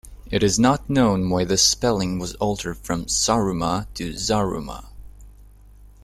It is not known why the spelling was altered from "Saruma" to "Zaruma".